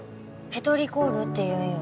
ペトリコールって言うんよ。